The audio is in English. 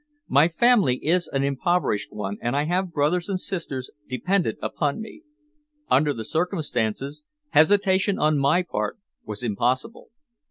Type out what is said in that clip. My family is an impoverished one, and I have brothers and sisters dependent upon me. Under the circumstances, hesitation on my part was impossible."